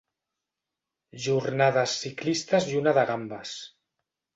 Jornades ciclistes i una de gambes.